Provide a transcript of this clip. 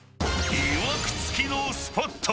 ［いわくつきのスポット］